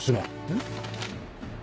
えっ？